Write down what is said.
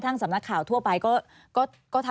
อันดับ๖๓๕จัดใช้วิจิตร